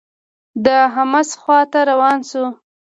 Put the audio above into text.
د حمص خوا ته روان شو.